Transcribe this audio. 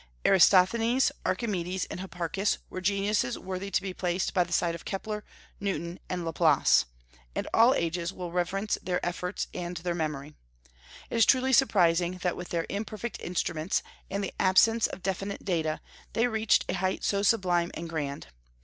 Eratosthenes, Archimedes, and Hipparchus were geniuses worthy to be placed by the side of Kepler, Newton, and La Place, and all ages will reverence their efforts and their memory. It is truly surprising that with their imperfect instruments, and the absence of definite data, they reached a height so sublime and grand.